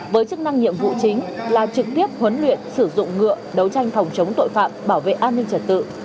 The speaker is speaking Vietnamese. với chức năng nhiệm vụ chính là trực tiếp huấn luyện sử dụng ngựa đấu tranh phòng chống tội phạm bảo vệ an ninh trật tự